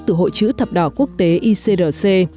từ hội chữ thập đỏ quốc tế icrc